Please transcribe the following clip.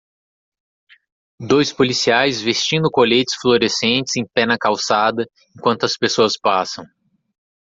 Dois policiais vestindo coletes fluorescentes em pé na calçada enquanto as pessoas passam.